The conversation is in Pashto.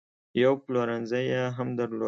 یو پلورنځی یې هم درلود.